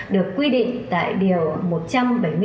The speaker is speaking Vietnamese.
được quy định tại bộ ngoại truyền thông tin